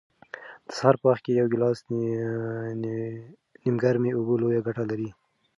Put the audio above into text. د سهار په وخت کې یو ګیلاس نیمګرمې اوبه لویه ګټه لري.